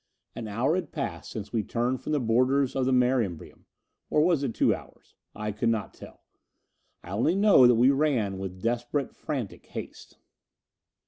An hour had passed since we turned from the borders of the Mare Imbrium. Or was it two hours? I could not tell. I only know that we ran with desperate frantic haste.